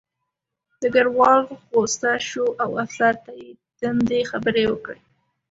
ډګروال غوسه شو او افسر ته یې تندې خبرې وکړې